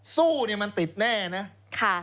สู้เนี่ยมันติดแน่นะ